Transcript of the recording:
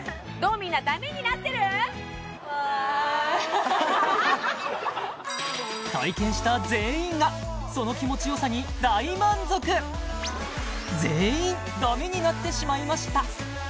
みんな体験した全員がその気持ちよさに大満足全員ダメになってしまいました